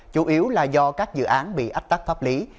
chủ yếu là do các dự án bị ách tắt pháp lý